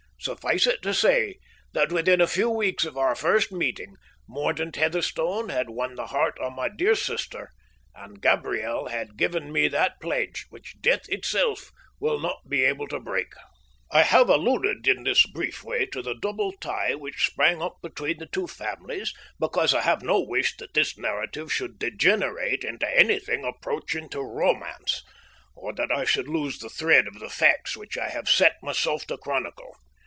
Suffice it to say that, within a few weeks of our first meeting Mordaunt Heatherstone had won the heart of my dear sister, and Gabriel had given me that pledge which death itself will not be able to break. I have alluded in this brief way to the double tie which sprang up between the two families, because I have no wish that this narrative should degenerate into anything approaching to romance, or that I should lose the thread of the facts which I have set myself to chronicle.